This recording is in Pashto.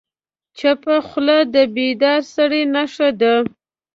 چپه خوله، د بیدار سړي نښه ده.